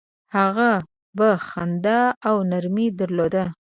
هغه به خندا او نرمي درلوده.